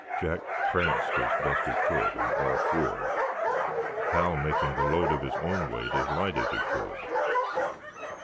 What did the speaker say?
Jack pranced as best he could, on all fours, Hal making the load of his own weight as light as he could.